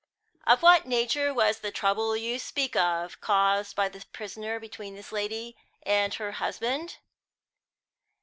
"Of what nature was the trouble you speak of, caused by the prisoner between this lady and her husband?"